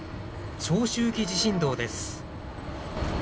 長周期地震動です。